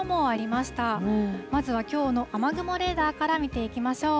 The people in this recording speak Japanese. まずは、きょうの雨雲レーダーから見ていきましょう。